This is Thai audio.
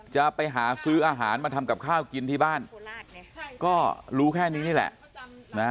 จะไปหาซื้ออาหารมาทำกับข้าวกินที่บ้านก็รู้แค่นี้นี่แหละนะ